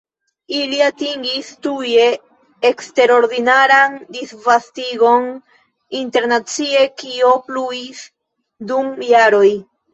Ili atingis tuje eksterordinaran disvastigon internacie kio pluis dum jaroj.